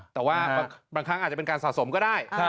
แต่ว่าบางครั้งอาจจะเป็นการสะสมก็ได้